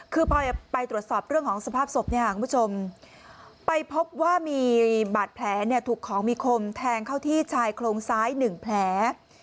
คือพอไปตรวจสอบเรื่องของสภาพศพเนี่ยคุณผู้ชมไปพบว่ามีบาดแผลถูกของมีคมแทงเข้าที่ชายโครงซ้าย๑แผล